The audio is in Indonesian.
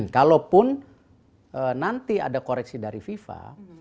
kalaupun nanti ada koreksi dari fifa